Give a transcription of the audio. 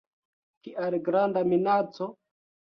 Kial granda minaco?